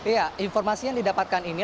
iya informasi yang didapatkan ini